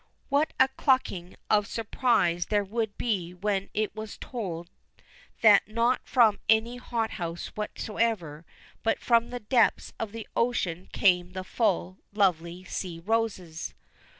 What a clucking of surprise there would be when it was told that not from any hothouse whatever, but from the depths of the ocean came the full, lovely sea roses.